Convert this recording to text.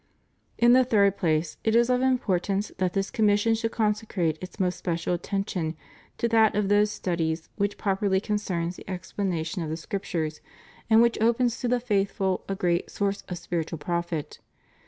In the third place, it is of importance that this com mission should consecrate its most special attention to that part of these studies which properly concerns the explanation of the Scriptures and which opens to the faithful a great source of spiritual profit.